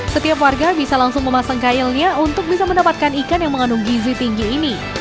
setiap warga bisa langsung memasang kailnya untuk bisa mendapatkan ikan yang mengandung gizi tinggi ini